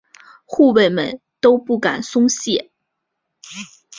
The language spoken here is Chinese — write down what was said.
护卫们都不敢松懈。